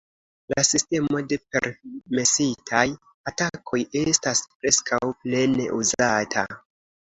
La sistemo de "permesitaj" atakoj estas preskaŭ plene uzata.